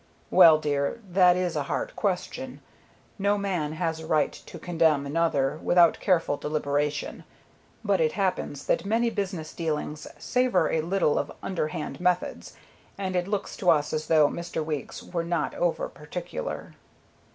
"Well, dear, that is a hard question. No man has a right to condemn another without careful deliberation; but it happens that many business dealings savor a little of underhand methods, and it looks to us as though Mr. Weeks were not over particular."